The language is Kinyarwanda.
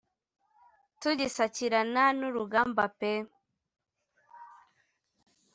Tugisakirana n’urugamba pe